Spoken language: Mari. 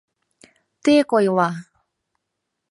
— Тек ойла!